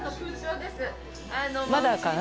まだかな。